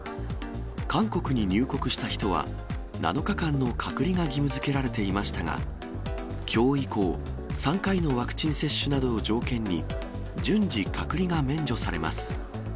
韓国に入国した人は、７日間の隔離が義務づけられていましたが、きょう以降、３回のワクチン接種などを条件に、順次、隔離が免除されます。